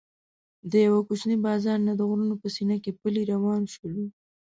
د یوه کوچني بازار نه د غرونو په سینه کې پلی روان شولو.